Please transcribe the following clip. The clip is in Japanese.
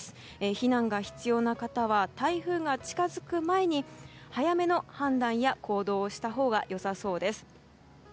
避難が必要な方は台風が近づく前に早めの判断や行動をしたほうが良さそうです。